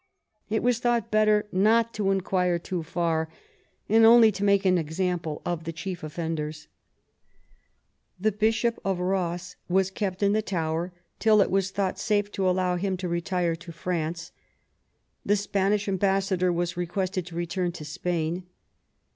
It was thought better not to inquire too far, and only to make an example of the chief offenders. The Bishop of Ross was kept in the Tower till it was thought safe to allow him to retire to France. The Spanish am bassador was requested to return to Spain.